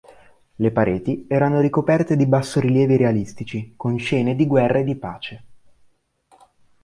Le pareti erano ricoperte di bassorilievi realistici con scene di guerra e di pace.